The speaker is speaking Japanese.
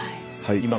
はい。